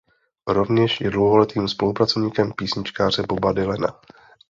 Rovněž je dlouholetým spolupracovníkem písničkáře Boba Dylana.